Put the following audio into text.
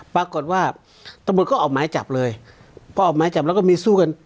ปรากฏว่าตำรวจก็ออกหมายจับเลยพอออกหมายจับแล้วก็มีสู้กัน